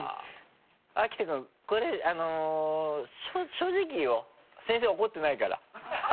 秋田君これ正直言おう先生怒ってないから。